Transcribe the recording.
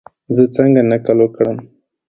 زه څنګه نقل وکړم؟